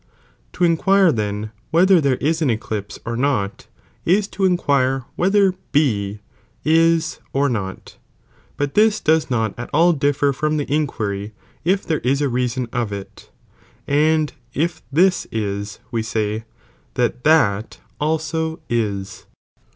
To inquire then whether there is an eclipse or not, is to inquire whether B ia or not, but this does not at all differ from the inquiry if there is a reason of it, and if Ihu ia, we say that that also is.